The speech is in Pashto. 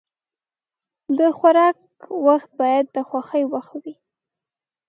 د خوراک وخت باید د خوښۍ وخت وي.